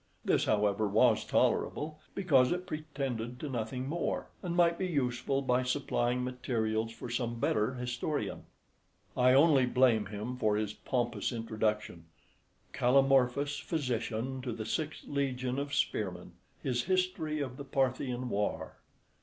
This, however, was tolerable, because it pretended to nothing more; and might be useful by supplying materials for some better historian. I only blame him for his pompous introduction: "Callimorphus, physician to the sixth legion of spearmen, his history of the Parthian war."